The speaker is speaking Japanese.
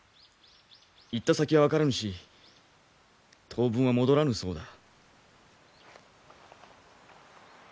行った先は分からぬし当分は戻らぬそうだ。